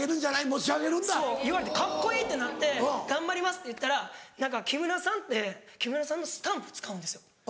カッコいい！ってなって「頑張ります」って言ったら何か木村さんって木村さんのスタンプ使うんですよ。